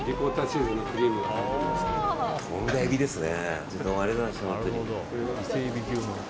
とんだエビですね。